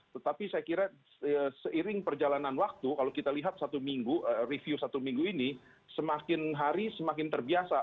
tetapi saya kira seiring perjalanan waktu kalau kita lihat satu minggu review satu minggu ini semakin hari semakin terbiasa